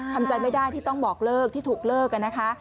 ทำใจไม่ได้ที่ต้องบอกเลิกที่ถูกเลิกนะคะ